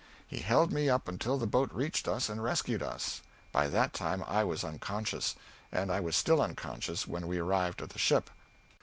He held me up until the boat reached us and rescued us. By that time I was unconscious, and I was still unconscious when we arrived at the ship.